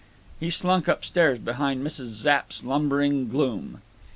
He slunk up stairs behind Mrs. Zapp's lumbering gloom.